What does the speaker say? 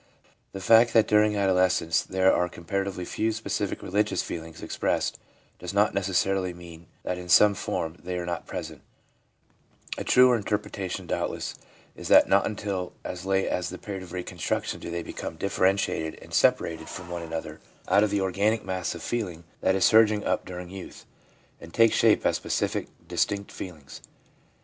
The fact that dur ing adolescence there are comparatively few specific religious feelings expressed does not necessarily mean that in some form they are not present; a truer interpretation, doubtless, is that not until as late as the period of reconstruction do they become differentiated and separated from one another out of the organic mass of feeling that is surging up during youth, and take shape as specific, distinct feelings.